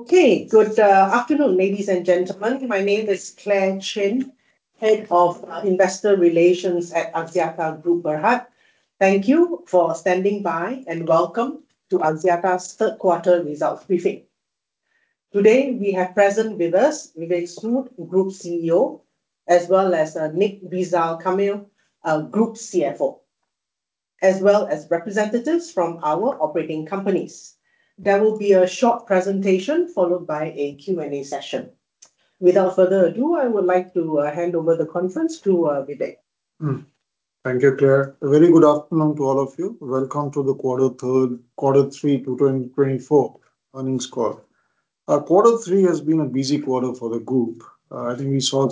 Okay. Good afternoon, ladies and gentlemen. My name is Clare Chin, Head of Investor Relations at Axiata Group Berhad. Thank you for standing by, welcome to Axiata's third quarter results briefing. Today, we have present with us Vivek Sood, Group CEO, as well as Nik Rizal Kamil, Group CFO, as well as representatives from our operating companies. There will be a short presentation followed by a Q&A session. Without further ado, I would like to hand over the conference to Vivek. Thank you, Clare. A very good afternoon to all of you. Welcome to the quarter three 2024 earnings call. Quarter three has been a busy quarter for the group. I think we saw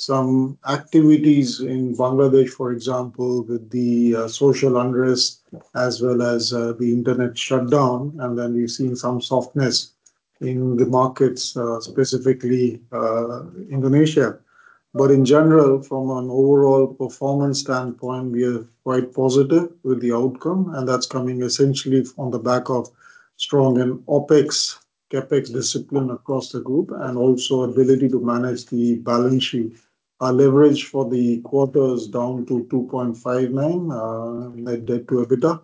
some activities in Bangladesh, for example, with the social unrest as well as the internet shutdown. We've seen some softness in the markets, specifically Indonesia. In general, from an overall performance standpoint, we are quite positive with the outcome, and that's coming essentially on the back of strong in OpEx, CapEx discipline across the group and also ability to manage the balance sheet. Our leverage for the quarter is down to 2.59x net debt to EBITDA,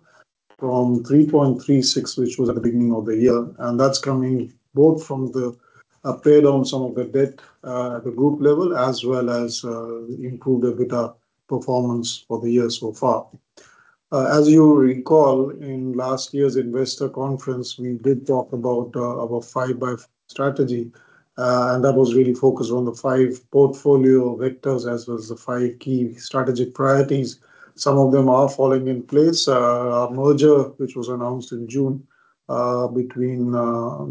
from 3.36x, which was at the beginning of the year. That's coming both from the pay down some of the debt at the group level as well as improved EBITDA performance for the year so far. As you recall, in last year's investor conference, we did talk about our 5x5 strategy, and that was really focused on the five portfolio vectors as well as the five key strategic priorities. Some of them are falling in place. Our merger, which was announced in June, between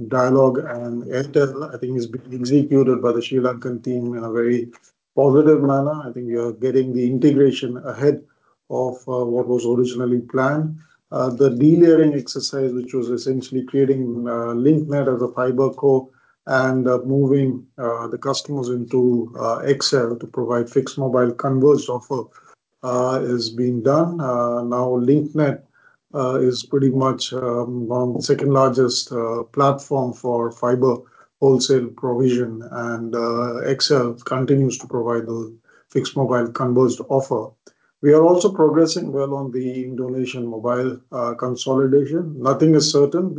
Dialog and Airtel, I think is being executed by the Sri Lankan team in a very positive manner. I think we are getting the integration ahead of what was originally planned. The delayering exercise, which was essentially creating Link Net as a FiberCo and moving the customers into XL to provide fixed mobile converged offer, is being done. Now Link Net is pretty much second-largest platform for fiber wholesale provision. XL continues to provide the fixed mobile converged offer. We are also progressing well on the Indonesian mobile consolidation. Nothing is certain.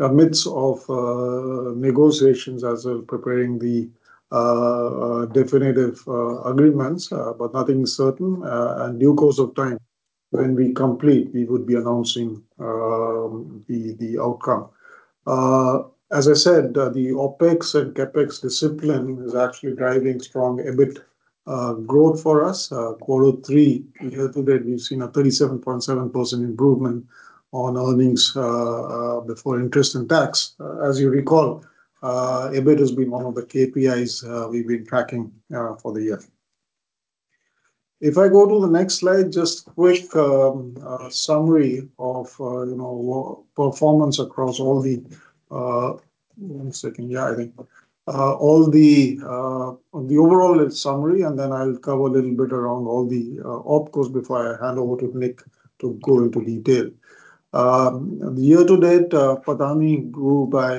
We are in the midst of negotiations as we're preparing the definitive agreements. Nothing's certain. Due course of time when we complete, we would be announcing the outcome. As I said, the OpEx and CapEx discipline is actually driving strong EBIT growth for us. Quarter three year-to-date, we've seen a 37.7% improvement on earnings before interest and tax. As you recall, EBIT has been one of the KPIs we've been tracking for the year. If I go to the next slide, just quick summary of, you know, performance across all the. One second. Yeah, I think. All the on the overall summary, and then I'll cover a little bit around all the OpCos before I hand over to Nik to go into detail. Year-to-date, PATAMI grew by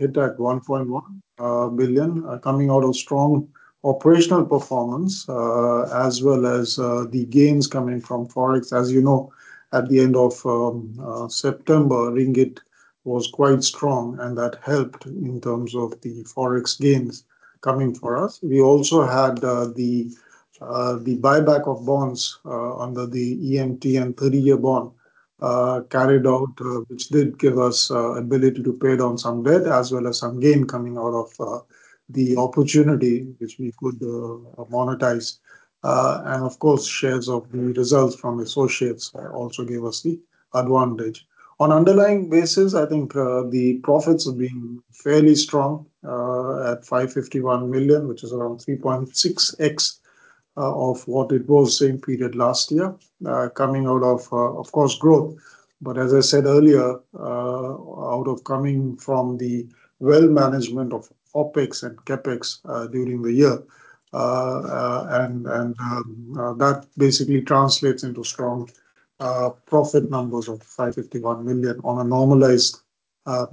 1.1 billion coming out of strong operational performance, as well as the gains coming from Forex. As you know, at the end of September, ringgit Malaysia was quite strong, and that helped in terms of the Forex gains coming for us. We also had, the buyback of bonds, under the EMTN 30-year bond, carried out, which did give us ability to pay down some debt as well as some gain coming out of the opportunity which we could monetize. Of course, shares of the results from associates, also gave us the advantage. On underlying basis, I think, the profits have been fairly strong, at 551 million, which is around 3.6x of what it was same period last year, coming out of course, growth. As I said earlier, out of coming from the well management of OpEx and CapEx during the year, and that basically translates into strong profit numbers of 551 million on a normalized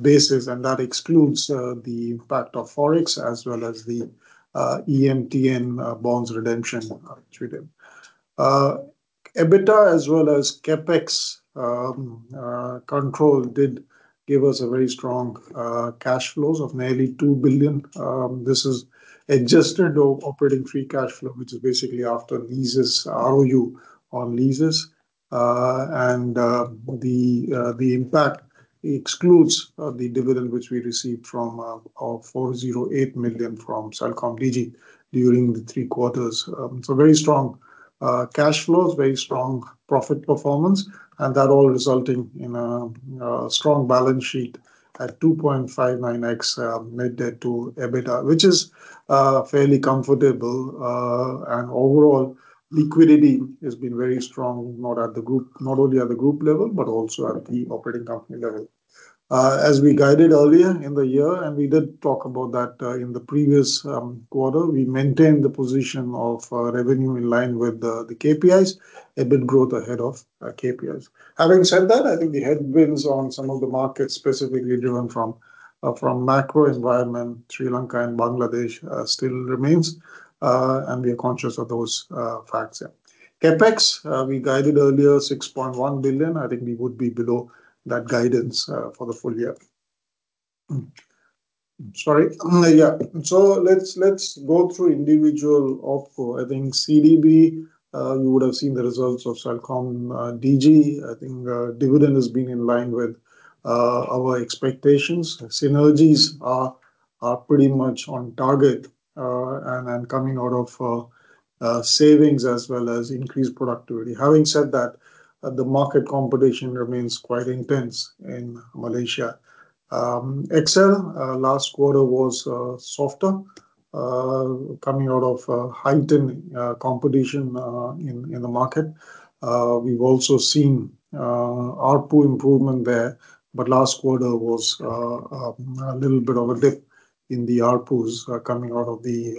basis, and that excludes the impact of Forex as well as the EMTN bonds redemption treated. EBITDA as well as CapEx control did give us a very strong cash flows of nearly 2 billion. This is adjusted of operating free cash flow, which is basically after leases, ROU on leases. The impact excludes the dividend which we received from of 408 million from CelcomDigi during the three quarters. Very strong cash flows, very strong profit performance, and that all resulting in a strong balance sheet at 2.59x net debt to EBITDA, which is fairly comfortable. Overall liquidity has been very strong, not only at the group level, but also at the operating company level. As we guided earlier in the year, we did talk about that in the previous quarter, we maintained the position of revenue in line with the KPIs, EBIT growth ahead of KPIs. Having said that, I think the headwinds on some of the markets specifically driven from macro environment, Sri Lanka and Bangladesh, still remains. We are conscious of those facts. CapEx, we guided earlier 6.1 billion. I think we would be below that guidance for the full year. Sorry. Yeah. Let's go through individual OpCo. I think CDB, you would have seen the results of CelcomDigi. I think dividend has been in line with our expectations. Synergies are pretty much on target and coming out of savings as well as increased productivity. Having said that, the market competition remains quite intense in Malaysia. XL last quarter was softer coming out of heightened competition in the market. We've also seen ARPU improvement there, but last quarter was a little bit of a dip in the ARPUs coming out of the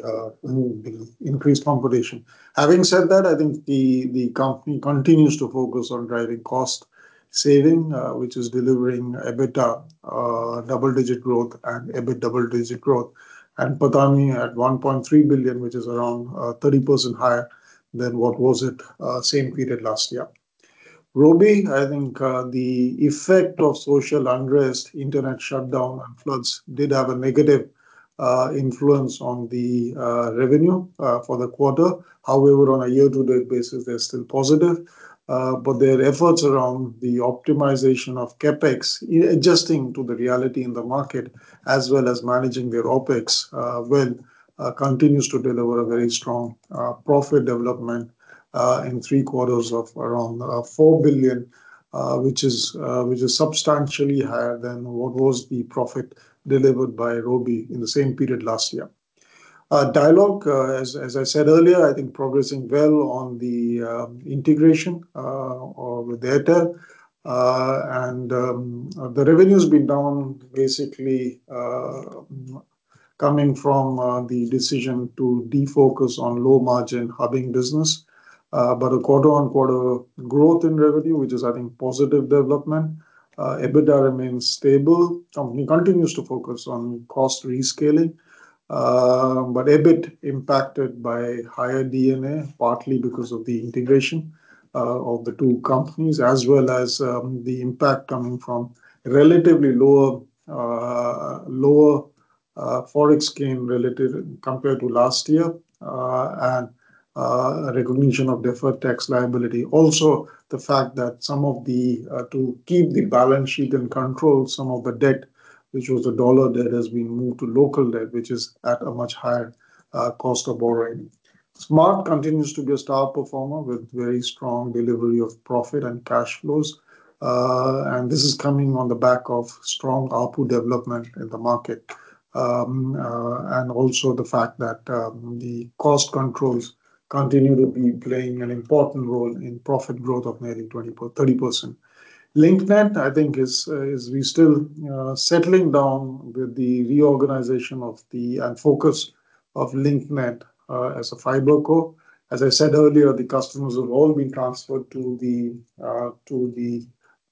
increased competition. Having said that, I think the company continues to focus on driving cost saving, which is delivering EBITDA double-digit growth and EBIT double-digit growth, and PATAMI at 1.3 billion, which is around 30% higher than what was it same period last year. Robi, I think, the effect of social unrest, internet shutdown and floods did have a negative influence on the revenue for the quarter. However, on a year-to-date basis, they're still positive. Their efforts around the optimization of CapEx, adjusting to the reality in the market as well as managing their OpEx well, continues to deliver a very strong profit development in three quarters of around 4 billion, which is substantially higher than what was the profit delivered by Robi in the same period last year. Dialog, as I said earlier, I think progressing well on the integration of Airtel. The revenue's been down basically coming from the decision to defocus on low-margin hubbing business. A quarter-on-quarter growth in revenue, which is, I think, positive development. EBITDA remains stable. Company continues to focus on cost rescaling, but EBIT impacted by higher D&A, partly because of the integration of the two companies, as well as the impact coming from relatively lower Forex gain relative compared to last year, and recognition of deferred tax liability. The fact that some of the to keep the balance sheet and control some of the debt, which was a USD debt, has been moved to local debt, which is at a much higher cost of borrowing. Smart continues to be a star performer with very strong delivery of profit and cash flows. This is coming on the back of strong ARPU development in the market. Also the fact that the cost controls continue to be playing an important role in profit growth of nearly 30%. I think Link Net is still settling down with the reorganization of the end focus of Link Net as a FiberCo. As I said earlier, the customers have all been transferred to the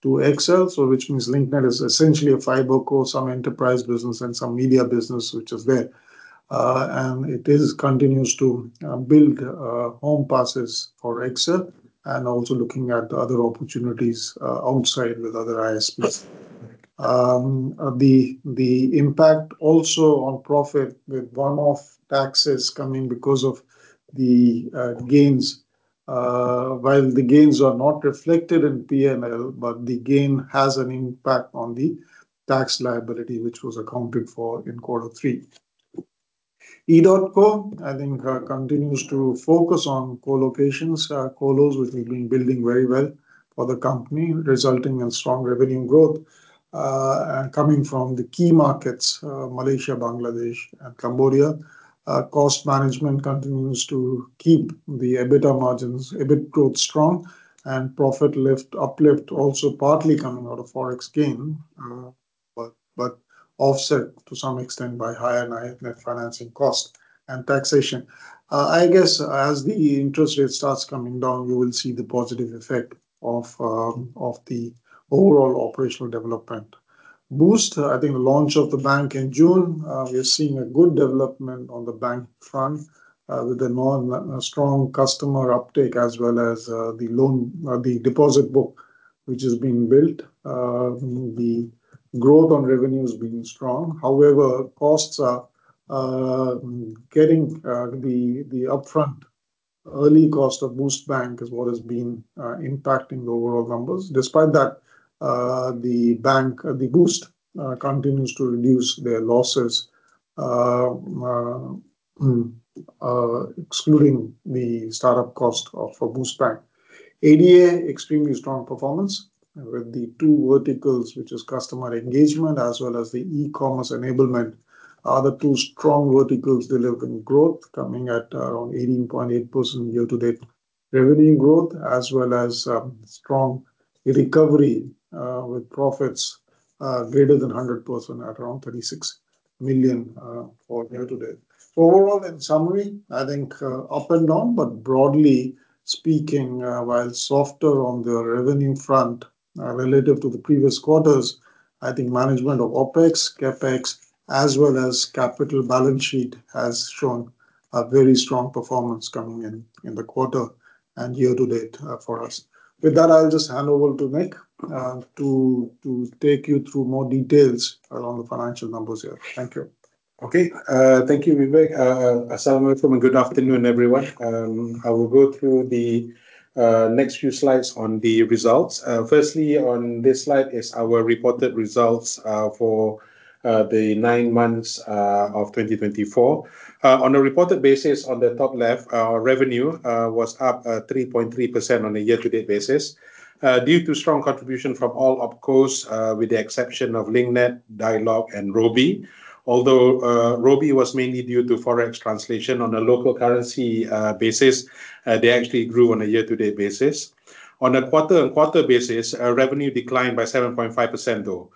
XL. Which means Link Net is essentially a FiberCo, some enterprise business and some media business, which is there. It continues to build home passes for XL and also looking at other opportunities outside with other ISPs. The impact also on profit with one-off taxes coming because of the gains. While the gains are not reflected in P&L, but the gain has an impact on the tax liability, which was accounted for in quarter three. EDOTCO, I think, continues to focus on colos. Colos, which have been building very well for the company, resulting in strong revenue growth, and coming from the key markets, Malaysia, Bangladesh and Cambodia. Cost management continues to keep the EBITDA margins, EBIT growth strong and profit uplift also partly coming out of Forex gain, but offset to some extent by higher net financing cost and taxation. I guess as the interest rate starts coming down, you will see the positive effect of the overall operational development. Boost, I think, launch of the bank in June. We are seeing a good development on the bank front, with a strong customer uptake as well as the loan, the deposit book, which is being built. The growth on revenue is being strong. However, costs are getting the upfront early cost of Boost Bank is what has been impacting the overall numbers. Despite that, the bank, the Boost continues to reduce their losses excluding the startup cost of for Boost Bank. ADA extremely strong performance with the two verticals, which is customer engagement as well as the e-commerce enablement, are the two strong verticals delivering growth coming at around 18.8% year-to-date revenue growth as well as strong recovery with profits, greater than 100% at around 36 million for year-to-date. Overall, in summary, I think, up and down, but broadly speaking, while softer on the revenue front, relative to the previous quarters, I think management of OpEx, CapEx, as well as capital balance sheet has shown a very strong performance coming in the quarter and year-to-date, for us. With that, I'll just hand over to Nik, to take you through more details around the financial numbers here. Thank you. Okay. Thank you, Vivek. Assalamualaikum and good afternoon, everyone. I will go through the next few slides on the results. Firstly, on this slide is our reported results for the nine months of 2024. On a reported basis on the top left, our revenue was up 3.3% on a year-to-date basis due to strong contribution from all OpCos, with the exception of Link Net, Dialog, and Robi. Although Robi was mainly due to Forex translation on a local currency basis, they actually grew on a year-to-date basis. On a quarter-on-quarter basis, our revenue declined by 7.5% though,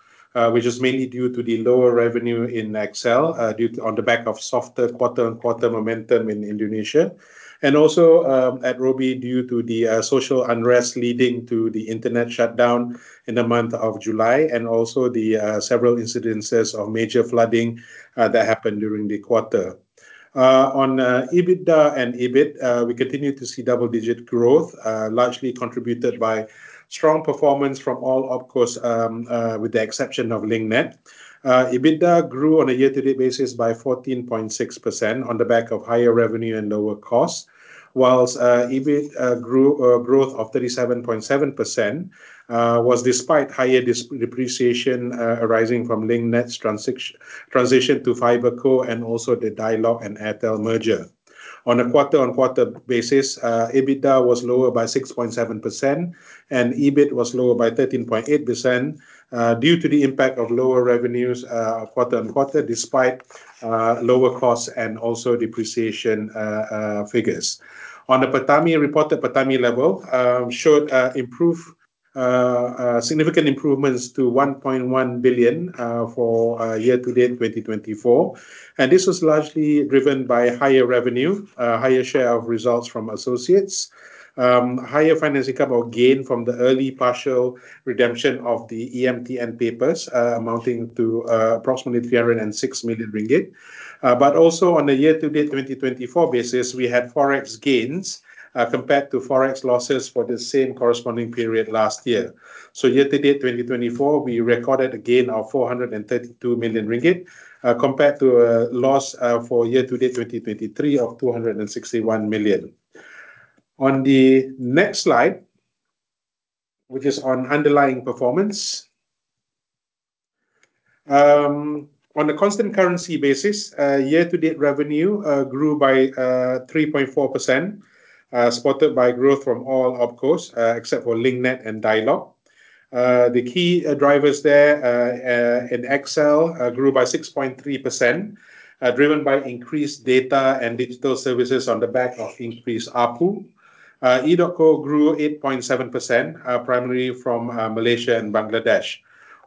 which is mainly due to the lower revenue in XL on the back of softer quarter-on-quarter momentum in Indonesia. Also, at Robi, due to the social unrest leading to the internet shutdown in the month of July, and also the several incidences of major flooding that happened during the quarter. On EBITDA and EBIT, we continue to see double-digit growth, largely contributed by strong performance from all OpCos, with the exception of LinkNet. EBITDA grew on a year-to-date basis by 14.6% on the back of higher revenue and lower costs, whilst EBIT grew growth of 37.7% was despite higher depreciation arising from LinkNet's transition to FiberCo and also the Dialog and Airtel merger. On a quarter-on-quarter basis, EBITDA was lower by 6.7%, and EBIT was lower by 13.8%, due to the impact of lower revenues, quarter-on-quarter, despite lower costs and also depreciation figures. On the PATAMI, reported PATAMI level, showed significant improvements to 1.1 billion for year-to-date 2024, and this was largely driven by higher revenue, higher share of results from associates, higher financing cover or gain from the early partial redemption of the EMTN papers, amounting to approximately 306 million ringgit. Also on a year-to-date 2024 basis, we had Forex gains compared to Forex losses for the same corresponding period last year. Year-to-date 2024, we recorded a gain of 432 million ringgit compared to a loss for year-to-date 2023 of 261 million. On the next slide, which is on underlying performance. On a constant currency basis, year-to-date revenue grew by 3.4%, supported by growth from all OpCos, except for Link Net and Dialog. The key drivers there, in XL, grew by 6.3%, driven by increased data and digital services on the back of increased ARPU. EDOTCO grew 8.7%, primarily from Malaysia and Bangladesh.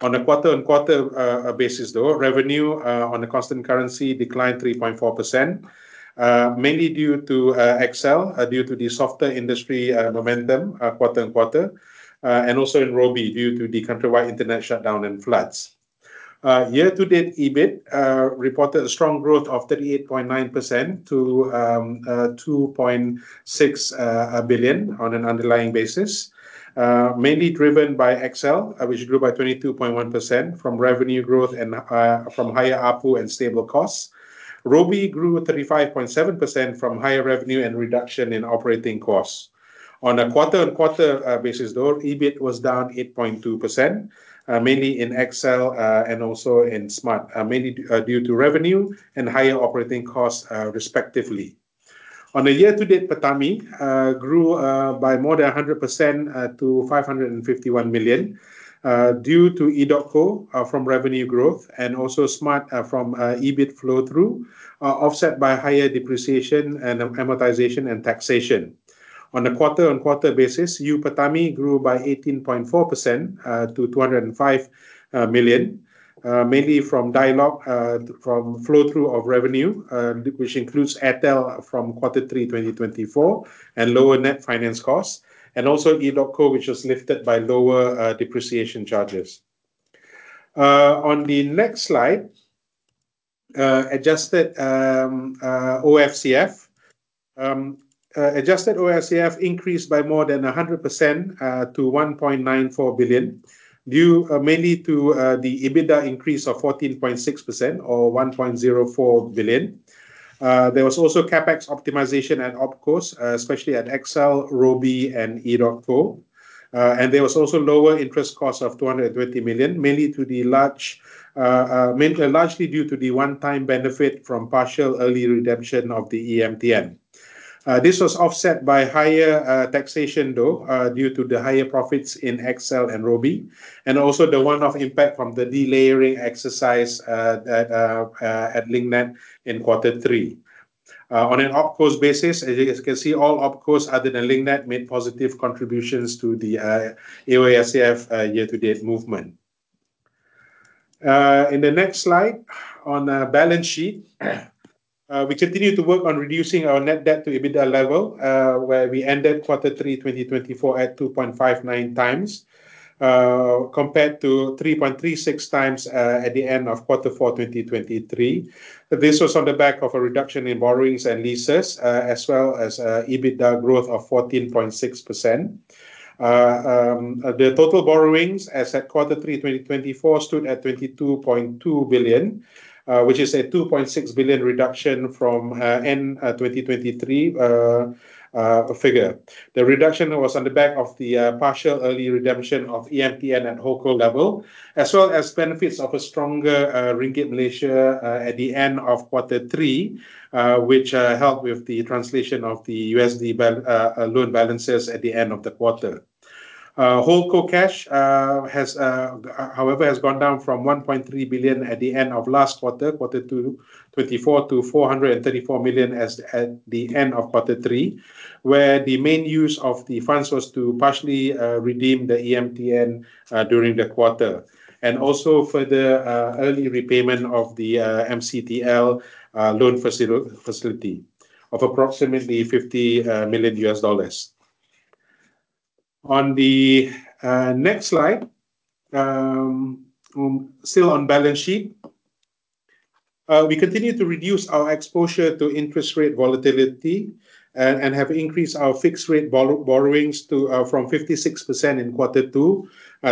On a quarter-on-quarter basis, though, revenue on a constant currency declined 3.4%, mainly due to XL, due to the softer industry momentum quarter-on-quarter, and also in Robi, due to the country-wide internet shutdown and floods. Year-to-date EBIT reported a strong growth of 38.9% to 2.6 billion on an underlying basis, mainly driven by XL, which grew by 22.1% from revenue growth and from higher ARPU and stable costs. Robi grew 35.7% from higher revenue and reduction in operating costs. On a quarter-on-quarter basis, though, EBIT was down 8.2%, mainly in XL, and also in Smart, mainly due to revenue and higher operating costs, respectively. On a year-to-date PATAMI grew by more than 100% to 551 million due to EDOTCO from revenue growth and also Smart from EBIT flow-through, offset by higher depreciation and amortization and taxation. On a quarter-on-quarter basis, PATAMI grew by 18.4% to 205 million mainly from Dialog from flow-through of revenue, which includes Airtel from Q3 2024 and lower net finance costs, and also EDOTCO, which was lifted by lower depreciation charges. On the next slide, adjusted OFCF. Adjusted OFCF increased by more than 100% to 1.94 billion, due mainly to the EBITDA increase of 14.6% or 1.04 billion. There was also CapEx optimization at OpCos, especially at XL, Robi and EDOTCO. There was also lower interest costs of 220 million, mainly largely due to the one-time benefit from partial early redemption of the EMTN. This was offset by higher taxation though, due to the higher profits in XL and Robi, and also the one-off impact from the delayering exercise at Link Net in quarter three. On an OpCo basis, as you guys can see, all OpCos other than Link Net made positive contributions to the AOFCF year-to-date movement. In the next slide, on the balance sheet, we continue to work on reducing our net debt to EBITDA level, where we ended quarter three 2024 at 2.59x, compared to 3.36x, at the end of quarter four 2023. This was on the back of a reduction in borrowings and leases, as well as EBITDA growth of 14.6%. The total borrowings as at Q3 2024 stood at 22.2 billion, which is a 2.6 billion reduction from end 2023 figure. The reduction was on the back of the partial early redemption of EMTN at whole group level, as well as benefits of a stronger Ringgit Malaysia at the end of Q3, which helped with the translation of the USD loan balances at the end of the quarter. Holdco cash has however, has gone down from 1.3 billion at the end of last quarter two 2024, to 434 million as at the end of quarter three, where the main use of the funds was to partially redeem the EMTN during the quarter, and also further early repayment of the MCTL loan facility of approximately $50 million. On the next slide, still on balance sheet, we continue to reduce our exposure to interest rate volatility and have increased our fixed rate borrowings to from 56% in quarter two,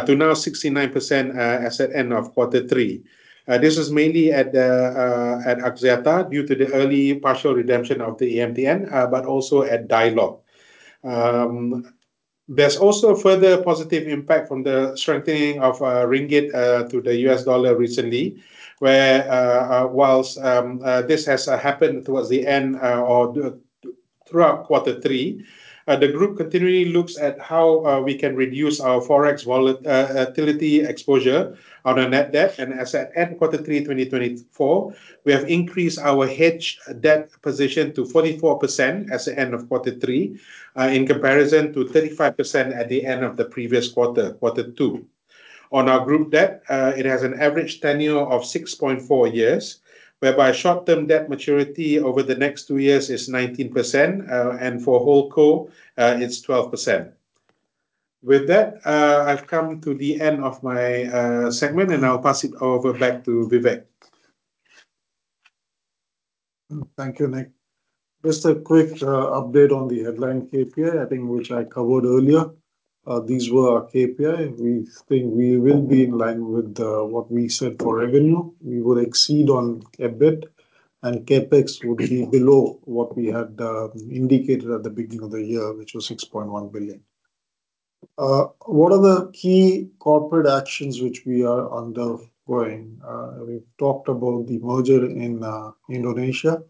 to now 69% as at end of quarter three. This is mainly at Axiata due to the early partial redemption of the EMTN, but also at Dialog. There's also further positive impact from the strengthening of ringgit to the U.S. dollar recently, where, whilst this has happened towards the end or throughout quarter three. The group continually looks at how we can reduce our forex volatility exposure on a net debt, and as at end quarter three 2024, we have increased our hedged debt position to 44% as at end of quarter three, in comparison to 35% at the end of the previous quarter two. On our group debt, it has an average tenure of 6.4 years, whereby short-term debt maturity over the next two years is 19%, and for holdco, it's 12%. With that, I've come to the end of my segment, and I'll pass it over back to Vivek Sood. Thank you, Nik. Just a quick update on the headline KPI, I think which I covered earlier. These were our KPI. We think we will be in line with what we said for revenue. We will exceed on EBIT and CapEx would be below what we had indicated at the beginning of the year, which was 6.1 billion. What are the key corporate actions which we are undergoing? We've talked about the merger in Indonesia.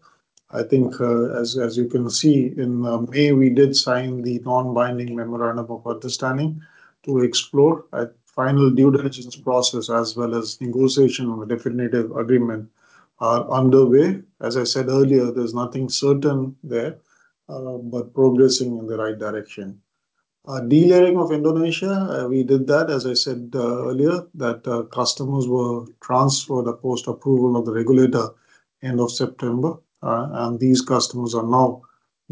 I think, as you can see, in May, we did sign the non-binding memorandum of understanding to explore. The final due diligence process as well as negotiation of a definitive agreement are underway. As I said earlier, there's nothing certain there, but progressing in the right direction. Delayering of Indonesia, we did that, as I said, earlier, that customers were transferred at post-approval of the regulator end of September. These customers are now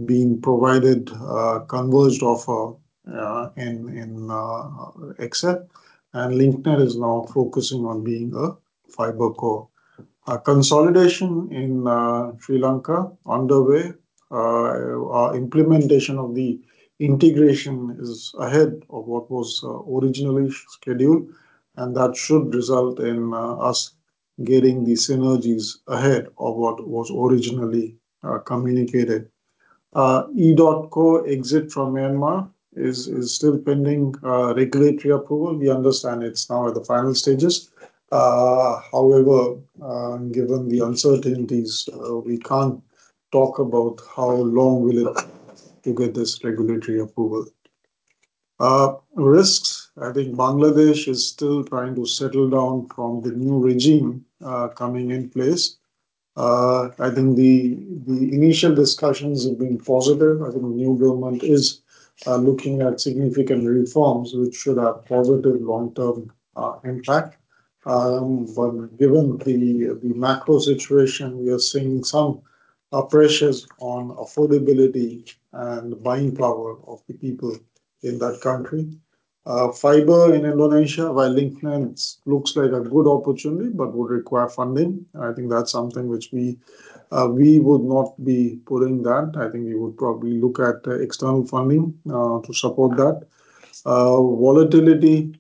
being provided a converged offer. Link Net is now focusing on being a FiberCo. Consolidation in Sri Lanka underway. Our implementation of the integration is ahead of what was originally scheduled, and that should result in us getting the synergies ahead of what was originally communicated. EDOTCO exit from Myanmar is still pending regulatory approval. We understand it's now at the final stages. However, given the uncertainties, we can't talk about how long will it take to get this regulatory approval. Risks. I think Bangladesh is still trying to settle down from the new regime coming in place. I think the initial discussions have been positive. I think the new government is looking at significant reforms which should have positive long-term impact. Given the macro situation, we are seeing some pressures on affordability and buying power of the people in that country. Fiber in Indonesia, while Link Net looks like a good opportunity but would require funding, I think that's something which we would not be pulling that. I think we would probably look at external funding to support that. Volatility,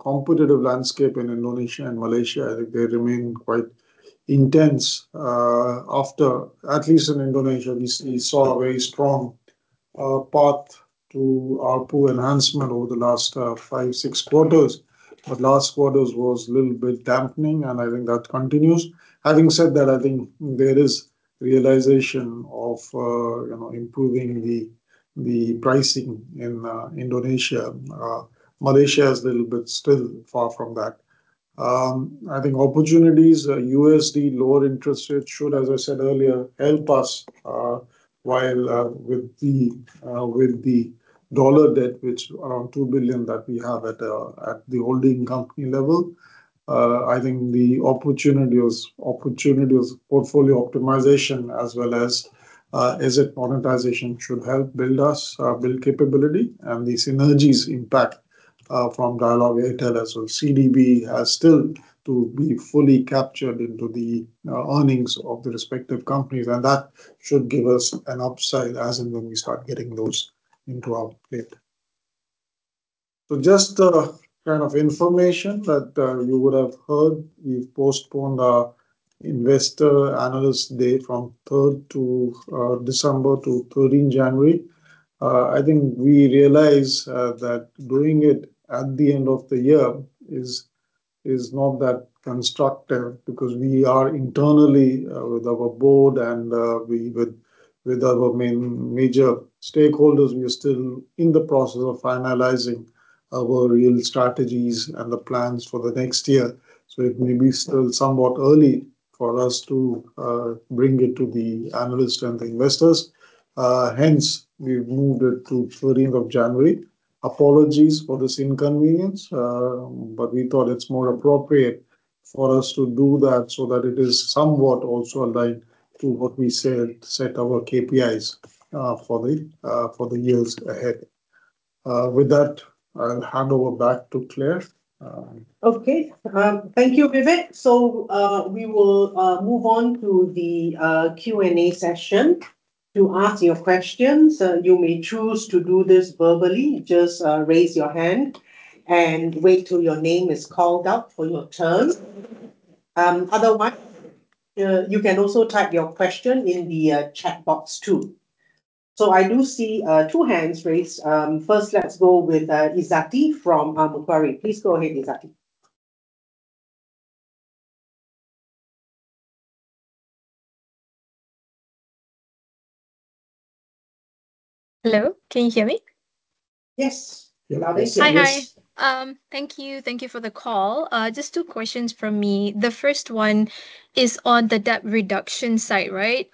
competitive landscape in Indonesia and Malaysia, I think they remain quite intense. After, at least in Indonesia, we saw a very strong path to ARPU enhancement over the last five, six quarters. Last quarters was a little bit dampening, and I think that continues. Having said that, I think there is realization of, you know, improving the pricing in Indonesia. Malaysia is a little bit still far from that. I think opportunities, USD lower interest rates should, as I said earlier, help us, while with the dollar debt, which $2 billion that we have at the holding company level. I think the opportunities, portfolio optimization as well as asset monetization should help build us, build capability. The synergies impact from Dialog Airtel as well, CDB has still to be fully captured into the earnings of the respective companies. That should give us an upside as and when we start getting those into our P&L. Just, kind of information that you would have heard. We've postponed our investor analyst day from 3rd December to 13th January. I think we realize that doing it at the end of the year is not that constructive because we are internally with our board and with our main major stakeholders, we are still in the process of finalizing our real strategies and the plans for the next year. It may be still somewhat early for us to bring it to the analysts and the investors. We've moved it to 13th of January. Apologies for this inconvenience, but we thought it's more appropriate for us to do that so that it is somewhat also aligned to what we said, set our KPIs for the years ahead. With that, I'll hand over back to Clare. Okay. thank you, Vivek. We will move on to the Q&A session. To ask your questions, you may choose to do this verbally. Just raise your hand and wait till your name is called out for your turn. Otherwise, you can also type your question in the chat box too. I do see two hands raised. First let's go with Izzati from Macquarie. Please go ahead, Izzati. Hello, can you hear me? Yes. Yeah. We can. Yes. Hi. Hi. Thank you. Thank you for the call. Just two questions from me. The first one is on the debt reduction side, right?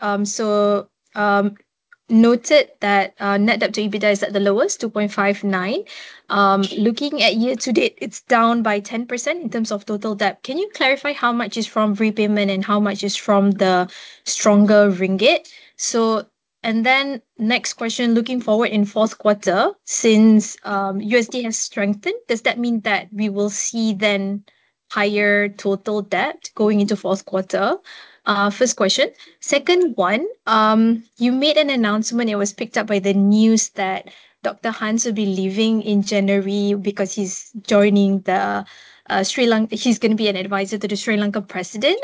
Noted that net debt to EBITDA is at the lowest, 2.59x. Looking at year-to-date, it's down by 10% in terms of total debt. Can you clarify how much is from repayment and how much is from the stronger ringgit? Next question, looking forward in fourth quarter, since USD has strengthened, does that mean that we will see then higher total debt going into fourth quarter? First question. Second one, you made an announcement, it was picked up by the news, that Hans Wijayasuriya will be leaving in January because he's joining the. He's gonna be an advisor to the Sri Lankan president.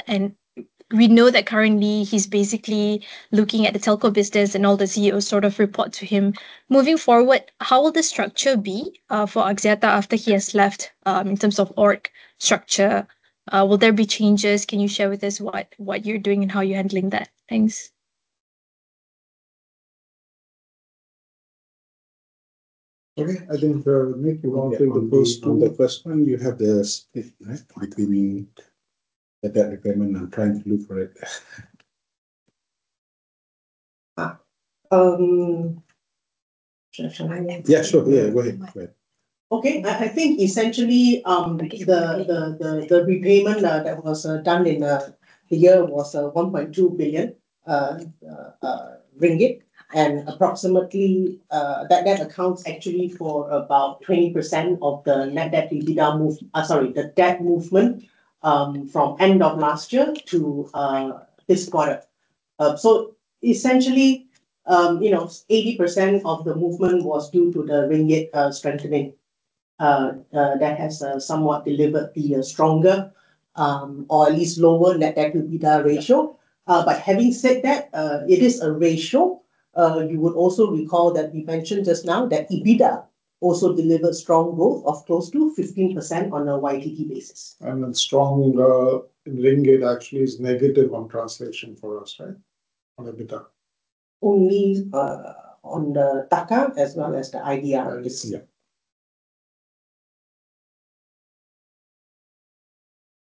We know that currently he's basically looking at the telco business and all the CEOs sort of report to him. Moving forward, how will the structure be for Axiata after he has left in terms of org structure? Will there be changes? Can you share with us what you're doing and how you're handling that? Thanks. Okay. I think Nik, you want to? Yeah. Take the first one. You have the split, right, between the debt repayment. I'm trying to look for it. Shall I answer? Yeah, sure. Yeah. Go ahead. Go ahead. Okay. I think essentially, the repayment that was done in the year was 1.2 billion ringgit. Approximately, that debt accounts actually for about 20% of the net debt to EBITDA debt movement from end of last year to this quarter. Essentially, you know, 80% of the movement was due to the Ringgit strengthening. That has somewhat delivered the stronger or at least lower net debt to EBITDA ratio. Having said that, it is a ratio. You would also recall that we mentioned just now that EBITDA also delivered strong growth of close to 15% on a YTD basis. Strong, ringgit actually is negative on translation for us, right? On EBITDA. Only on the Taka as well as the IDR. It's. Yeah.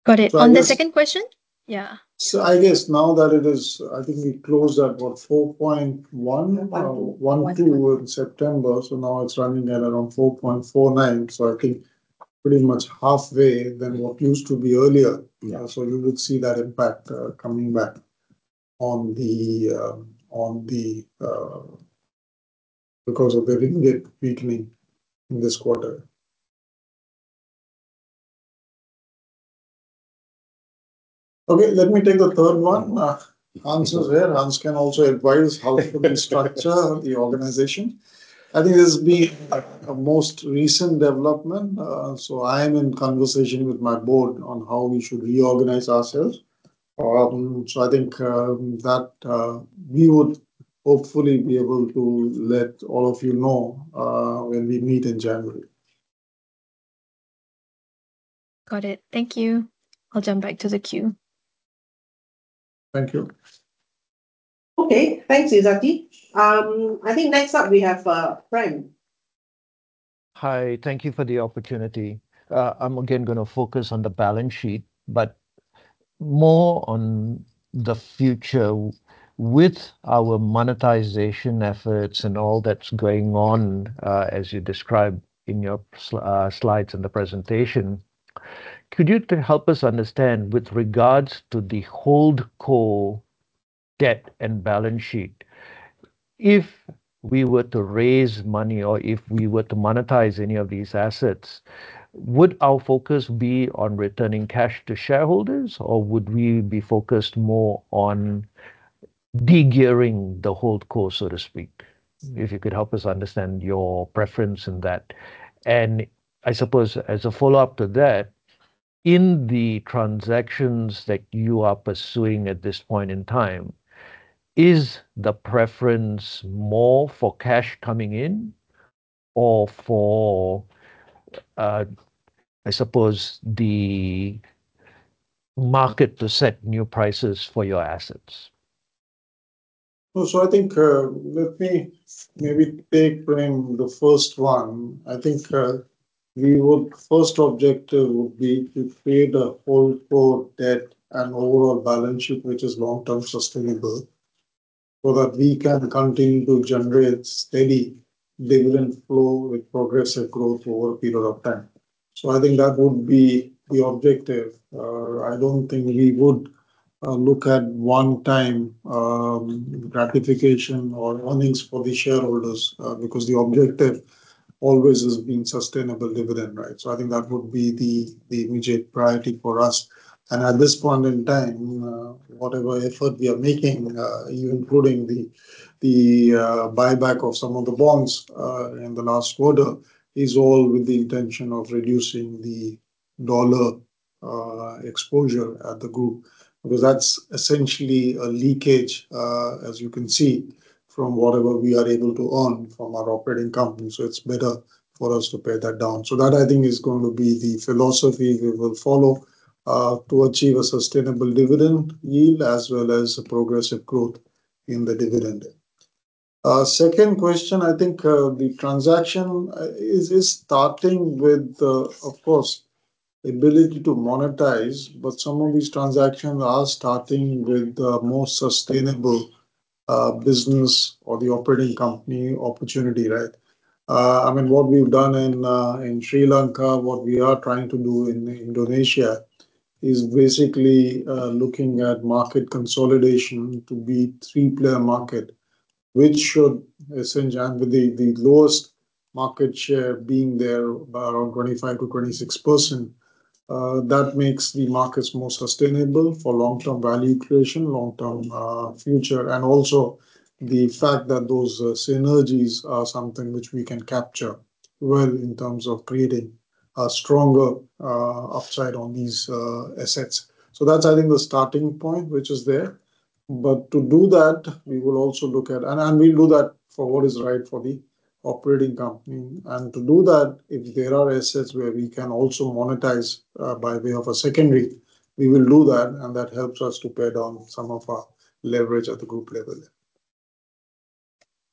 Got it. So I guess- On the second question. Yeah. I guess now that it is, I think we closed at, what, 4.1%. One two.... 12 in September. Now it's running at around 4.49X. I think pretty much halfway than what used to be earlier. Yeah. You would see that impact coming back on the because of the ringgit weakening in this quarter. Okay, let me take the third one. Hans is here. Hans can also advise how to structure the organization. I think this has been a most recent development. I am in conversation with my board on how we should reorganize ourselves. I think that we would hopefully be able to let all of you know when we meet in January. Got it. Thank you. I'll jump back to the queue. Thank you. Thanks, Izzati. I think next up we have, Prem. Hi. Thank you for the opportunity. I'm again gonna focus on the balance sheet, but more on the future with our monetization efforts and all that's going on, as you described in your slides in the presentation. Could you help us understand with regards to the hold co debt and balance sheet, if we were to raise money or if we were to monetize any of these assets, would our focus be on returning cash to shareholders or would we be focused more on de-gearing the hold co, so to speak? If you could help us understand your preference in that. I suppose as a follow-up to that, in the transactions that you are pursuing at this point in time, is the preference more for cash coming in or for, I suppose the market to set new prices for your assets? I think, let me maybe take, Prem, the first one. I think, we would first objective would be to create a hold co debt and overall balance sheet which is long-term sustainable so that we can continue to generate steady dividend flow with progressive growth over a period of time. I think that would be the objective. I don't think we would look at one time gratification or earnings for the shareholders, because the objective always has been sustainable dividend, right? I think that would be the immediate priority for us. At this point in time, whatever effort we are making, including the buyback of some of the bonds in the last quarter, is all with the intention of reducing the dollar exposure at the group because that's essentially a leakage, as you can see from whatever we are able to earn from our operating companies. It's better for us to pay that down. That I think is going to be the philosophy we will follow to achieve a sustainable dividend yield as well as progressive growth in the dividend. Second question, I think, the transaction is starting with the, of course, ability to monetize, but some of these transactions are starting with the more sustainable business or the operating company opportunity, right? I mean, what we've done in Sri Lanka, what we are trying to do in Indonesia is basically looking at market consolidation to be three-player market, which should, essentially and with the lowest market share being there around 25%-26%, that makes the markets more sustainable for long-term value creation, long-term future and also the fact that those synergies are something which we can capture well in terms of creating a stronger upside on these assets. So that's I think the starting point which is there. To do that we will also look at, and we'll do that for what is right for the operating company. To do that, if there are assets where we can also monetize, by way of a secondary, we will do that and that helps us to pay down some of our leverage at the group level.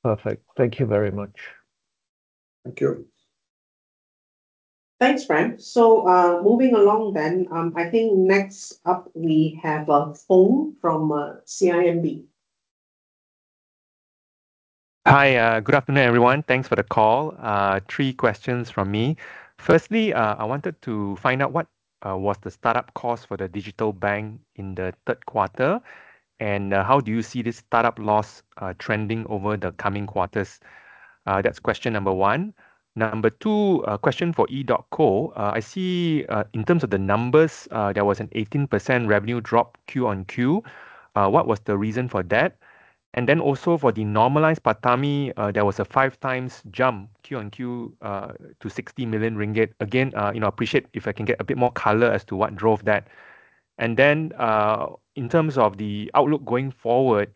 Perfect. Thank you very much. Thank you. Thanks, Prem. Moving along, I think next up we have Foong from CIMB. Hi. Good afternoon, everyone. Thanks for the call. Three questions from me. Firstly, I wanted to find out what was the startup cost for the digital bank in the third quarter and how do you see this startup loss trending over the coming quarters? That's question number one. Number two, a question for EDOTCO. I see, in terms of the numbers, there was an 18% revenue drop Q-on-Q. What was the reason for that? Also for the normalized PATAMI, there was a 5x jump Q-on-Q, to 60 million ringgit. Again, you know, appreciate if I can get a bit more color as to what drove that. In terms of the outlook going forward,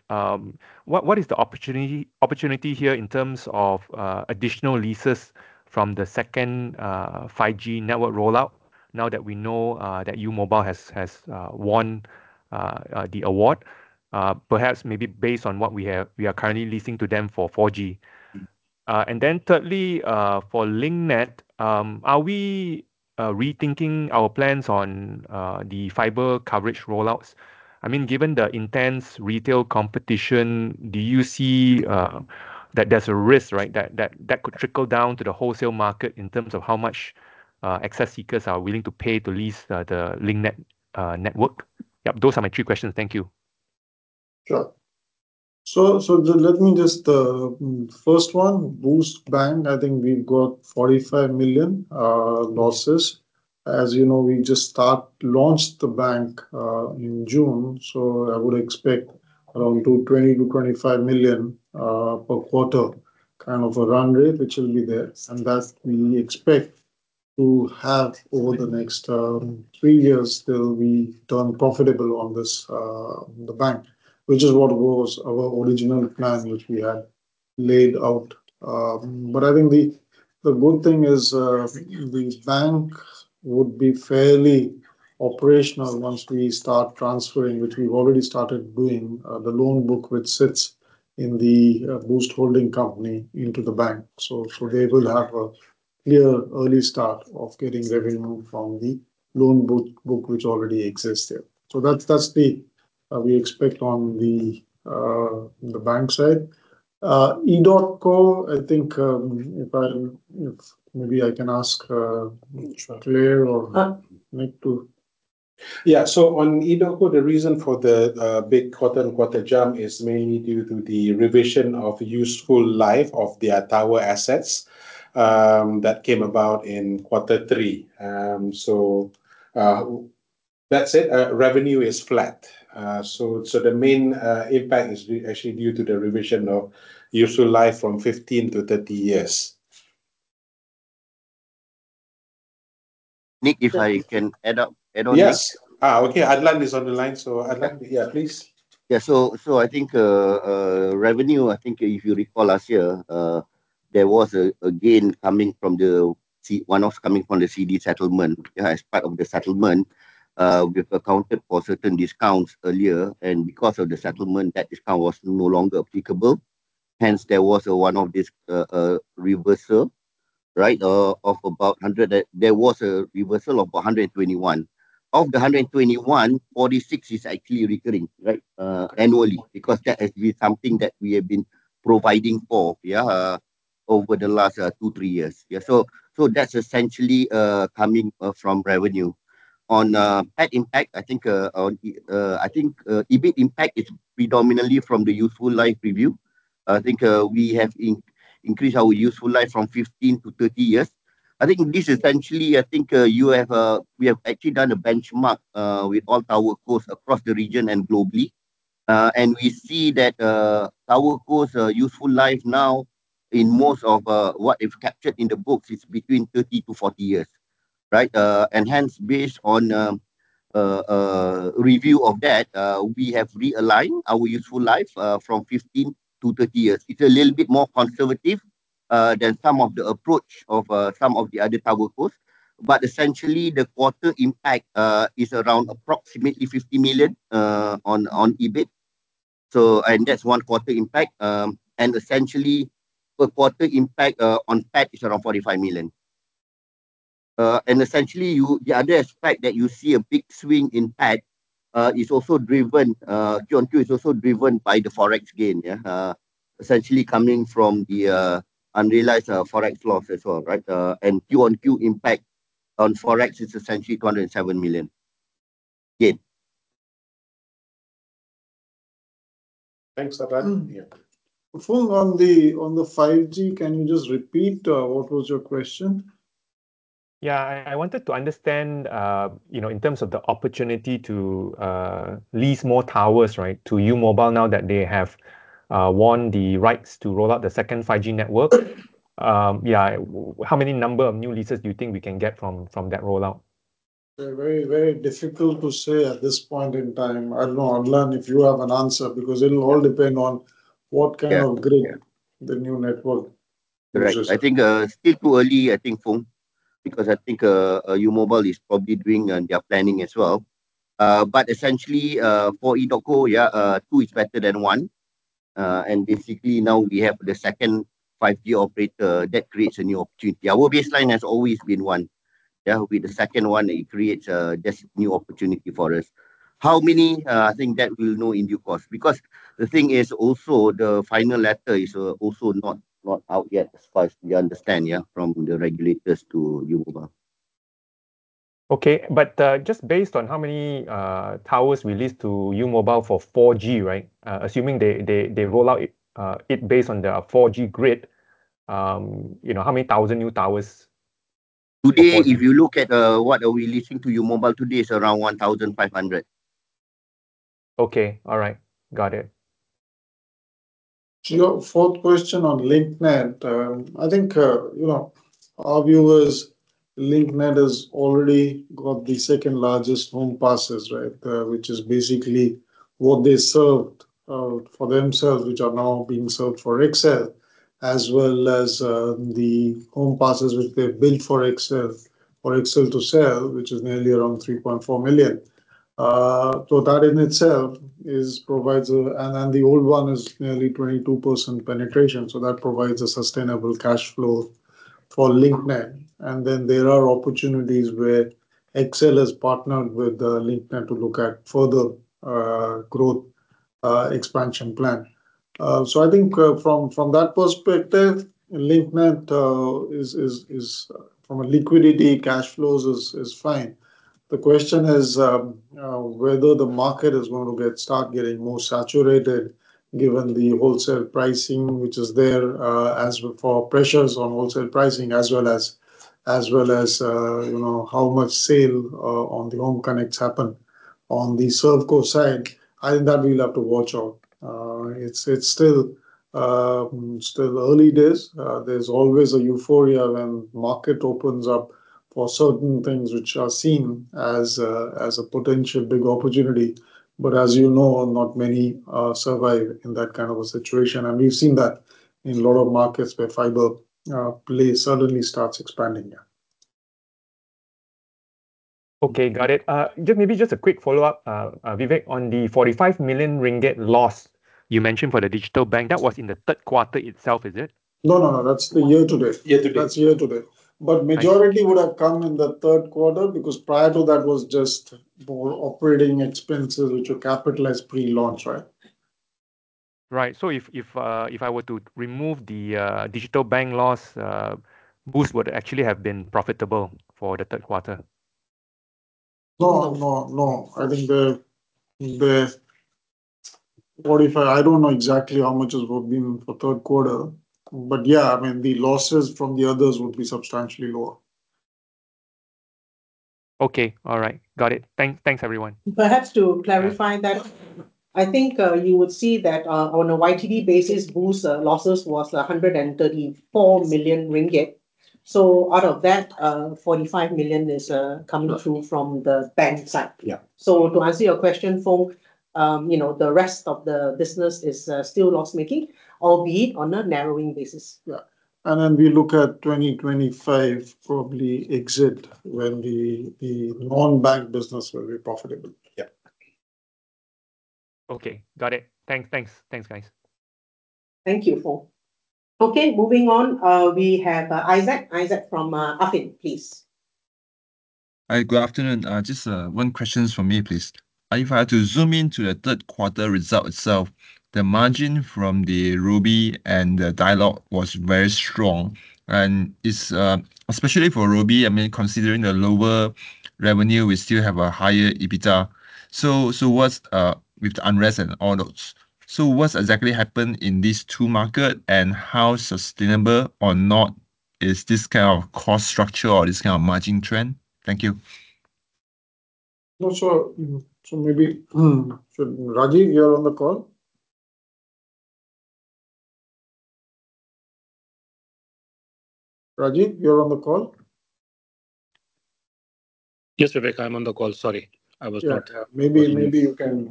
what is the opportunity here in terms of additional leases from the second 5G network rollout now that we know that U Mobile has won the award, perhaps maybe based on what we are currently leasing to them for 4G. thirdly, for Link Net, are we rethinking our plans on the fiber coverage rollouts? I mean, given the intense retail competition, do you see that there's a risk, right, that could trickle down to the wholesale market in terms of how much access seekers are willing to pay to lease the Link Net network? Yep. Those are my three questions. Thank you. Sure. Let me just, first one, Boost Bank, I think we've got 45 million losses. As you know, we just launched the bank in June, I would expect around 20-25 million per quarter kind of a run rate which will be there. That we expect to have over the next three years till we turn profitable on this, the bank, which is what was our original plan which we had laid out. I think the good thing is, the bank would be fairly operational once we start transferring, which we've already started doing, the loan book which sits in the Boost holding company into the bank. They will have a clear early start of getting revenue from the loan book which already exists there. That's the we expect on the bank side. EDOTCO, I think, if maybe I can ask Clare or Nik to. Yeah. On EDOTCO, the reason for the big quarter-on-quarter jump is mainly due to the revision of useful life of their tower assets that came about in quarter three. That said, revenue is flat. The main impact is actually due to the revision of useful life from 15 to 30 years. Nik, if I can add up, add on, Nik. Yes. Okay, Adlan is on the line. Adlan, yeah, please. Revenue, I think if you recall last year, there was a gain coming from the one-off coming from the CDB settlement. As part of the settlement, we've accounted for certain discounts earlier. Because of the settlement, that discount was no longer applicable. There was a one-off reversal of about 100 million. There was a reversal of 121 million. Of the 121 million, 46 million is actually recurring annually because that has been something that we have been providing for over the last two, three years. That's essentially coming from revenue. On PAT impact, EBIT impact is predominantly from the useful life review. I think we have increased our useful life from 15-30 years. I think this essentially I think you have, we have actually done a benchmark with all TowerCos across the region and globally. We see that TowerCos useful life now in most of what is captured in the books is between 30-40 years, right. Hence based on review of that, we have realigned our useful life from 15-30 years. It's a little bit more conservative than some of the approach of some of the other TowerCos. Essentially the quarter impact is around approximately 50 million on EBIT. That's one quarter impact. Essentially the quarter impact on PAT is around 45 million. Essentially the other aspect that you see a big swing in PAT is also driven Q-on-Q is also driven by the Forex gain, essentially coming from the unrealized Forex loss as well. Q-on-Q impact on Forex is essentially 207 million gain. Thanks, Adlan. Yeah. Foong, on the 5G, can you just repeat what was your question? Yeah. I wanted to understand, you know, in terms of the opportunity to lease more towers, right, to U Mobile now that they have won the rights to roll out the second 5G network. Yeah, how many number of new leases do you think we can get from that rollout? Very, very difficult to say at this point in time. I don't know, Adlan, if you have an answer because it'll all depend on what- Yeah. Yeah. kind of grid the new network consists of. I think, still too early, I think, Foong, because I think, U Mobile is probably doing their planning as well. Essentially, for EDOTCO, yeah, two is better than one. Basically now we have the second 5G operator that creates a new opportunity. Our baseline has always been one. Yeah, with the second one it creates this new opportunity for us. How many? I think that we'll know in due course, because the thing is also the final letter is also not out yet as far as we understand, yeah, from the regulators to U Mobile. Okay. Just based on how many towers we lease to U Mobile for 4G, right? Assuming they roll out it based on their 4G grid, you know, how many thousand new towers approximately? Today, if you look at, what are we leasing to U Mobile today is around 1,500. Okay. All right. Got it. Your fourth question on Link Net, I think, you know, our viewers, Link Net has already got the second-largest home passes, right, which is basically what they served for themselves, which are now being served for XL, as well as, the home passes which they've built for XL or XL to sell, which is nearly around 3.4 million. That in itself is provides a and the old one is nearly 22% penetration, so that provides a sustainable cash flow for Link Net. Then there are opportunities where XL has partnered with Link Net to look at further growth expansion plan. I think, from that perspective, Link Net, is from a liquidity cash flows is fine. The question is whether the market is going to get, start getting more saturated given the wholesale pricing which is there, as for pressures on wholesale pricing as well as, you know, how much sale on the home connects happen. On the ServCo side, I think that we'll have to watch out. It's still early days. There's always a euphoria when market opens up for certain things which are seen as a potential big opportunity. As you know, not many survive in that kind of a situation, and we've seen that in a lot of markets where fiber play suddenly starts expanding. Yeah Okay, got it. Just maybe just a quick follow-up, Vivek, on the 45 million ringgit loss you mentioned for the digital bank. That was in the third quarter itself, is it? No, no, that's the year to date. Year to date. That's year to date. Thank you would have come in the third quarter, because prior to that was just more operating expenses which were capitalized pre-launch, right? Right. If I were to remove the digital bank loss, Boost would actually have been profitable for the third quarter? No, no. I don't know exactly how much it would've been for third quarter. Yeah, I mean, the losses from the others would be substantially lower. Okay. All right. Got it. Thanks everyone. Perhaps to clarify that, I think, you would see that, on a YTD basis, Boost's losses was 134 million ringgit. Out of that, 45 million is coming through from the bank side. Yeah. To answer your question, Foong, you know, the rest of the business is still loss-making, albeit on a narrowing basis. Yeah. Then we look at 2025 probably exit when the non-bank business will be profitable. Yeah. Okay. Got it. Thanks. Thanks, guys. Thank you, Foong. Okay. Moving on, we have Isaac. Isaac from Affin, please. Hi. Good afternoon. Just one questions from me, please. If I had to zoom into the third quarter result itself, the margin from the Robi and the Dialog was very strong, and it's... Especially for Robi, I mean, considering the lower revenue, we still have a higher EBITDA. What's with the unrest and all those. What's exactly happened in these two market, and how sustainable or not is this kind of cost structure or this kind of margin trend? Thank you. Maybe, so Rajeev, you're on the call. Rajeev, you're on the call? Yes, Vivek, I'm on the call. Sorry. Yeah. Maybe you can,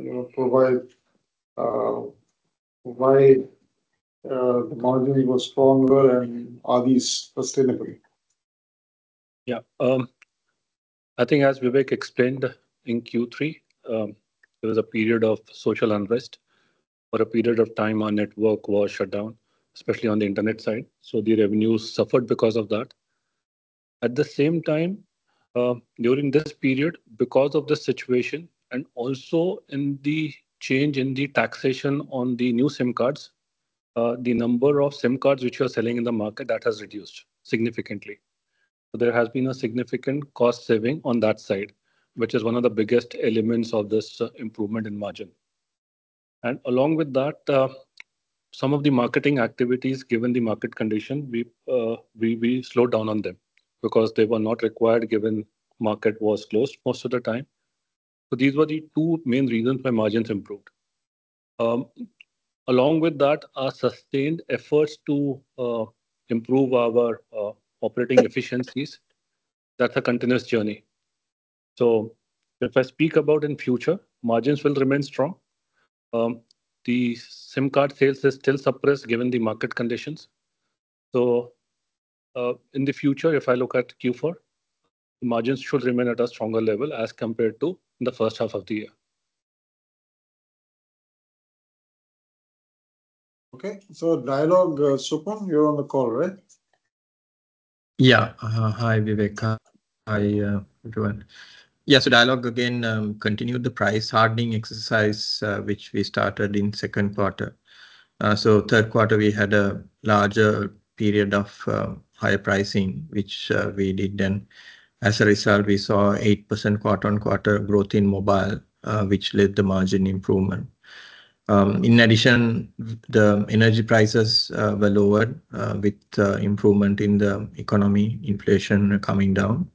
you know, provide why the margin was stronger and are these sustainable? Yeah. I think as Vivek explained, in Q3, there was a period of social unrest. For a period of time our network was shut down, especially on the internet side, so the revenues suffered because of that. At the same time, during this period, because of the situation and also in the change in the taxation on the new SIM cards, the number of SIM cards which we are selling in the market, that has reduced significantly. There has been a significant cost saving on that side, which is one of the biggest elements of this improvement in margin. Along with that, some of the marketing activities, given the market condition, we slowed down on them because they were not required given market was closed most of the time. These were the two main reasons why margins improved. Along with that, our sustained efforts to improve our operating efficiencies, that's a continuous journey. If I speak about in future, margins will remain strong. The SIM card sales is still suppressed given the market conditions. In the future, if I look at Q4, margins should remain at a stronger level as compared to the first half of the year. Okay. Dialog, Supun, you're on the call, right? Hi, Vivek. Hi, everyone. Dialog again continued the price hardening exercise, which we started in second quarter. Third quarter we had a larger period of higher pricing, which we did then. As a result, we saw 8% quarter-on-quarter growth in mobile, which led the margin improvement. In addition, the energy prices were lowered with improvement in the economy, inflation coming down.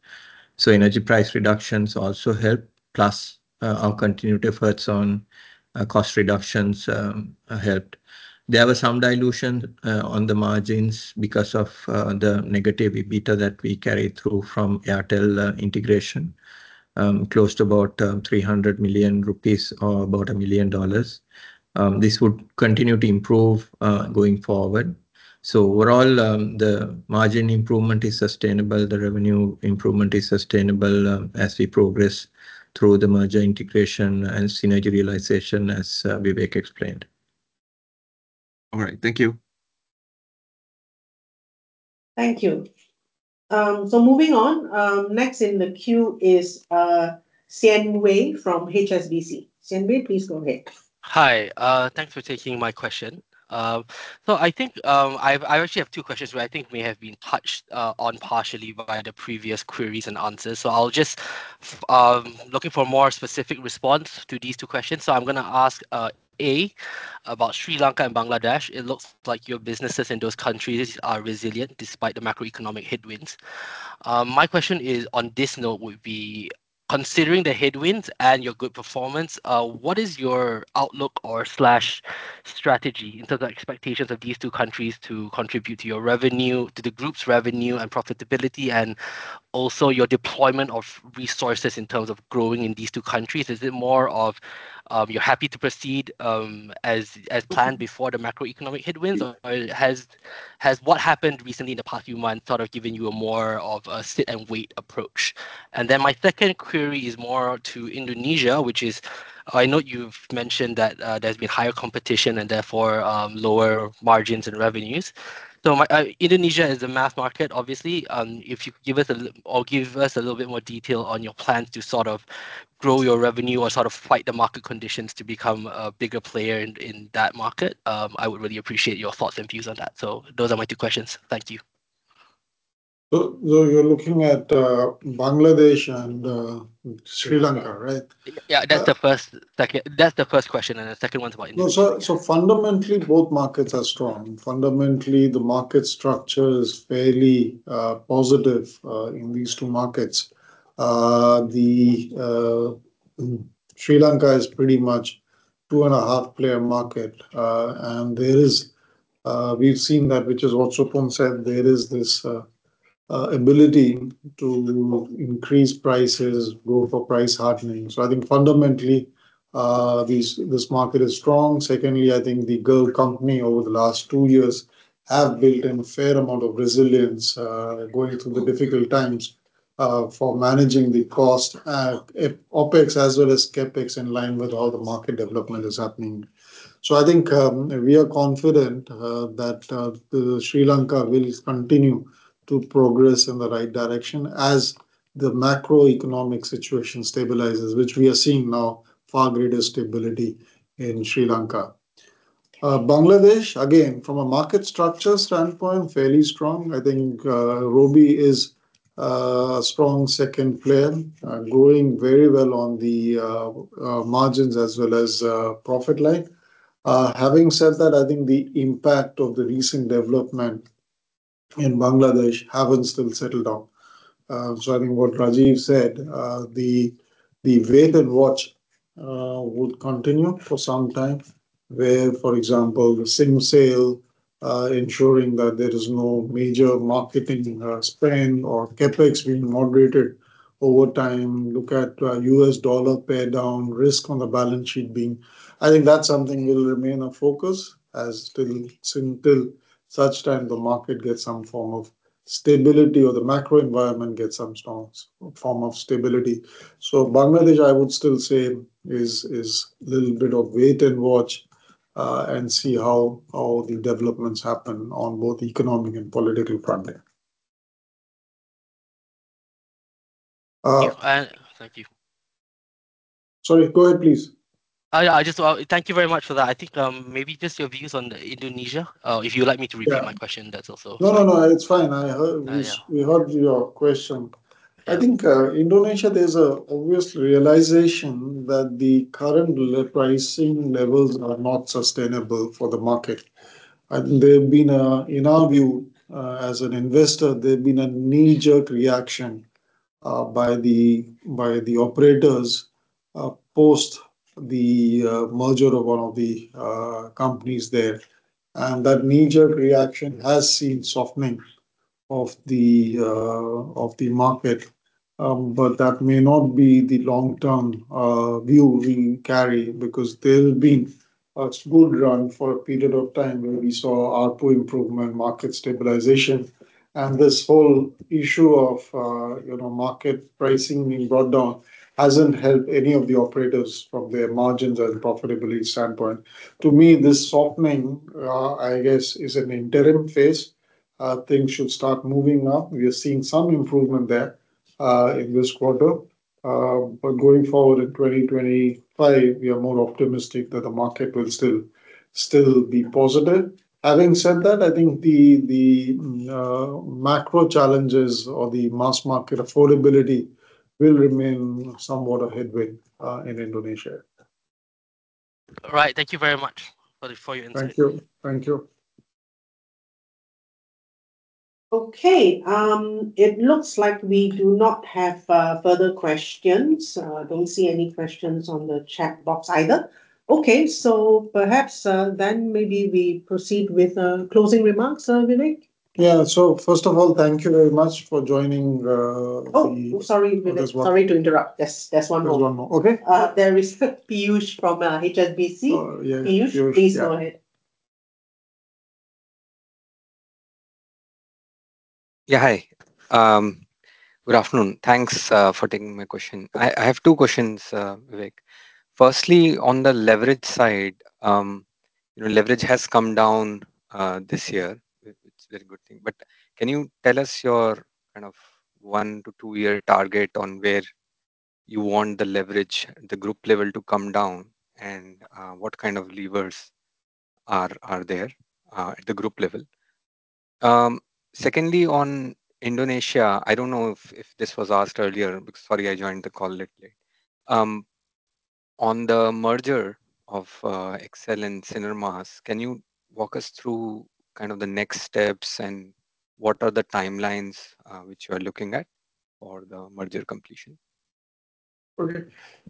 Energy price reductions also helped, plus our continued efforts on cost reductions helped. There were some dilution on the margins because of the negative EBITDA that we carried through from Airtel integration. Close to about LKR 300 million or about LKR 1 million. This would continue to improve going forward. Overall, the margin improvement is sustainable, the revenue improvement is sustainable, as we progress through the merger integration and synergy realization as Vivek explained. All right. Thank you. Thank you. Moving on. Next in the queue is Chi Wei from Maybank. Chi Wei, please go ahead. Hi. Thanks for taking my question. I think I actually have two questions which I think may have been touched on partially by the previous queries and answers. I'll just looking for a more specific response to these two questions. I'm gonna ask A, about Sri Lanka and Bangladesh. It looks like your businesses in those countries are resilient despite the macroeconomic headwinds. My question is, on this note, would be considering the headwinds and your good performance, what is your outlook or slash strategy in terms of expectations of these two countries to contribute to your revenue, to the group's revenue and profitability? And also your deployment of resources in terms of growing in these two countries. Is it more of, you're happy to proceed, as planned before the macroeconomic headwinds or has what happened recently in the past few months sort of given you a more of a sit and wait approach? My second query is more to Indonesia, which is I know you've mentioned that, there's been higher competition and therefore, lower margins and revenues. Indonesia is a mass market, obviously. If you give us a little bit more detail on your plans to sort of grow your revenue or sort of fight the market conditions to become a bigger player in that market, I would really appreciate your thoughts and views on that. Those are my two questions. Thank you. You're looking at, Bangladesh and, Sri Lanka, right? Yeah, that's the first question, and the second one's about Indonesia. Fundamentally both markets are strong. Fundamentally the market structure is fairly positive in these two markets. Sri Lanka is pretty much two and a half player market. There is, we've seen that, which is also consistent, there is this ability to increase prices, go for price hardening. I think fundamentally, this market is strong. Secondly, I think the Dialog company over the last two years have built in a fair amount of resilience, going through the difficult times, for managing the cost, OpEx as well as CapEx in line with all the market development that's happening. I think, we are confident that Sri Lanka will continue to progress in the right direction as the macroeconomic situation stabilizes, which we are seeing now far greater stability in Sri Lanka. Bangladesh, again, from a market structure standpoint, fairly strong. I think, Robi is a strong second player, growing very well on the margins as well as profit line. Having said that, I think the impact of the recent development in Bangladesh haven't still settled down. I think what Rajeev said, the wait and watch would continue for some time. Where, for example, the SIM sale, ensuring that there is no major marketing spend, or CapEx being moderated over time. Look at U.S. dollar pay down, risk on the balance sheet being. I think that's something will remain a focus as till such time the market gets some form of stability or the macro environment gets some form of stability. Bangladesh, I would still say is little bit of wait and watch and see how the developments happen on both economic and political front there. Yeah, thank you. Sorry, go ahead, please. I just Thank you very much for that. I think maybe just your views on Indonesia, if you'd like me to repeat my question? Yeah That's also- No, no, it's fine. Yeah. We heard your question. I think Indonesia, there's a obvious realization that the current pricing levels are not sustainable for the market. There have been a, in our view, as an investor, there've been a knee-jerk reaction by the operators, post the merger of one of the companies there. That knee-jerk reaction has seen softening of the market. That may not be the long-term view we carry, because there's been a smooth run for a period of time where we saw ARPU improvement, market stabilization. This whole issue of, you know, market pricing being brought down hasn't helped any of the operators from their margins and profitability standpoint. To me, this softening, I guess is an interim phase. Things should start moving now. We are seeing some improvement there, in this quarter. Going forward in 2025, we are more optimistic that the market will still be positive. Having said that, I think the macro challenges or the mass market affordability will remain somewhat a headwind in Indonesia. All right. Thank you very much for the, for your insight. Thank you. Thank you. It looks like we do not have further questions. I don't see any questions on the chat box either. Perhaps then maybe we proceed with closing remarks, Vivek. Yeah. First of all, thank you very much for joining. Oh, sorry, Vivek. That's w- Sorry to interrupt. There's one more. There's one more. Okay. There is Piyush from HSBC. Oh, yeah, Piyush. Yeah. Piyush, please go ahead. Yeah, hi. Good afternoon. Thanks for taking my question. I have two questions, Vivek. Firstly, on the leverage side, you know, leverage has come down this year. It's very good thing. Can you tell us your kind of one to two year target on where you want the leverage at the group level to come down, and what kind of levers are there at the group level? Secondly, on Indonesia, I don't know if this was asked earlier, because sorry I joined the call little late. On the merger of XL and Sinar Mas, can you walk us through kind of the next steps and what are the timelines which you are looking at for the merger completion? Okay.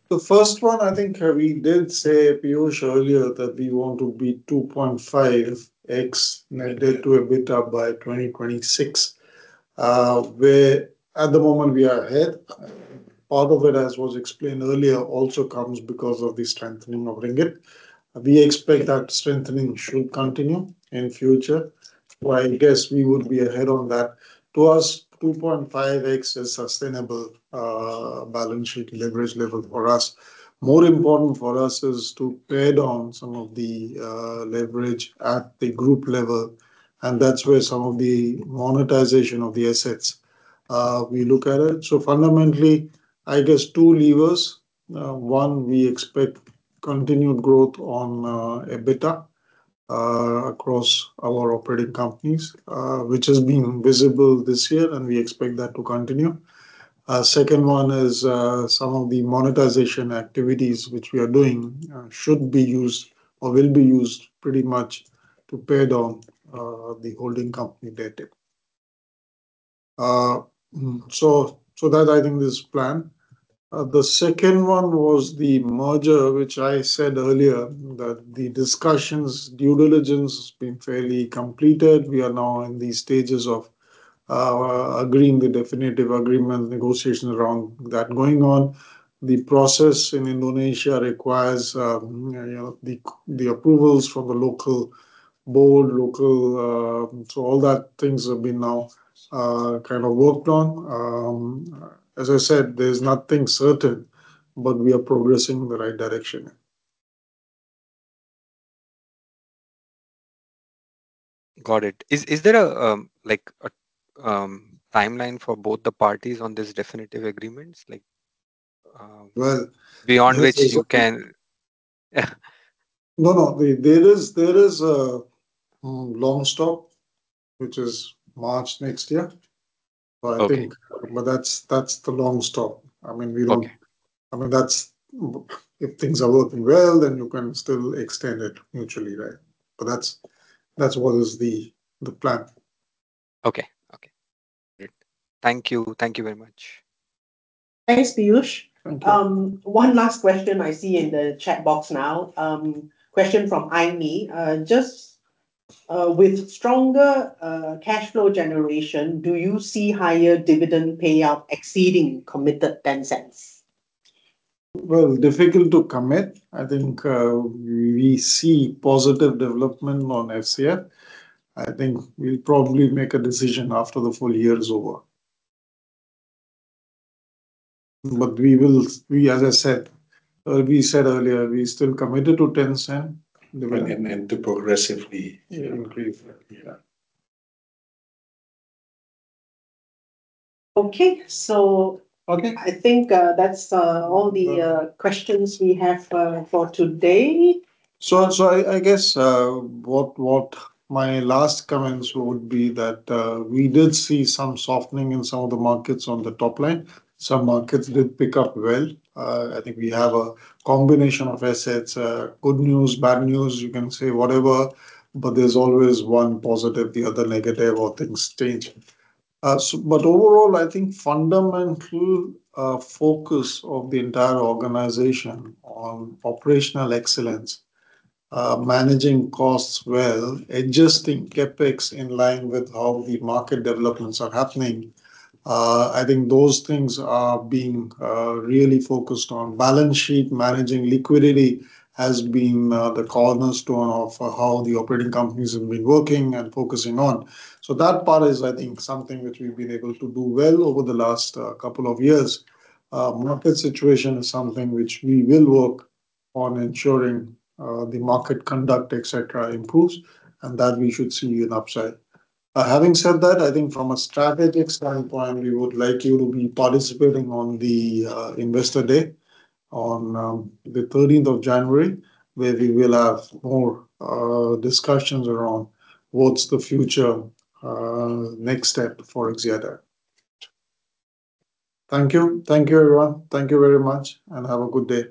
The first one, I think, we did say, Piyush, earlier that we want to be 2.5x net debt to EBITDA by 2026. Where at the moment we are ahead. Part of it, as was explained earlier, also comes because of the strengthening of ringgit. We expect that strengthening should continue in future. Well, I guess we would be ahead on that. To us, 2.5x is sustainable, balance sheet leverage level for us. More important for us is to pay down some of the leverage at the group level, that's where some of the monetization of the assets, we look at it. Fundamentally, I guess two levers. One, we expect continued growth on EBITDA across our operating companies, which has been visible this year, we expect that to continue. Second one is, some of the monetization activities which we are doing, should be used or will be used pretty much to pay down the holding company debt. That I think is plan. The second one was the merger, which I said earlier that the discussions, due diligence has been fairly completed. We are now in the stages of agreeing the definitive agreement, negotiations around that going on. The process in Indonesia requires, you know, the approvals from the local board. All that things have been now kind of worked on. As I said, there's nothing certain, but we are progressing the right direction. Got it. Is there a like a timeline for both the parties on this definitive agreements? Well, there is. Beyond which you can. Yeah. No, no, there is, there is a long stop, which is March next year. Okay. That's the long stop. I mean. Okay. I mean, that's if things are working well, then you can still extend it mutually, right? That's what is the plan. Okay. Okay, great. Thank you. Thank you very much. Thanks, Piyush. Thank you. One last question I see in the chat box now. Question from Aimee. With stronger cash flow generation, do you see higher dividend payout exceeding committed 0.10? Well, difficult to commit. I think we see positive development on OFCF. I think we'll probably make a decision after the full year is over. As I said, we said earlier, we still committed to MYR 0.10 dividend. And, and to progressively- Yeah Increase that. Yeah. Okay. Okay I think that's. No Questions we have for today. I guess my last comments would be that we did see some softening in some of the markets on the top line. Some markets did pick up well. I think we have a combination of assets. Good news, bad news, you can say whatever, but there's always one positive, the other negative or things change. Overall, I think fundamental focus of the entire organization on operational excellence, managing costs well, adjusting CapEx in line with how the market developments are happening, I think those things are being really focused on. Balance sheet, managing liquidity has been the cornerstone of how the operating companies have been working and focusing on. That part is, I think, something which we've been able to do well over the last couple of years. Market situation is something which we will work on ensuring the market conduct, et cetera, improves, and that we should see an upside. Having said that, I think from a strategic standpoint, we would like you to be participating on the Investor Day on the 13th of January, where we will have more discussions around what's the future next step for Axiata. Thank you. Thank you, everyone. Thank you very much, and have a good day.